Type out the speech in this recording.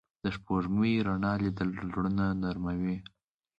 د سپوږمۍ رڼا لیدل زړونه نرموي